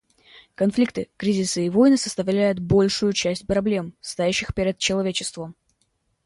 Конфликты, кризисы и войны составляют большую часть проблем, стоящих перед человечеством.